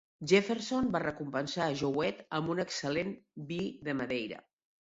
Jefferson va recompensar Jouett amb un excel·lent vi de Madeira.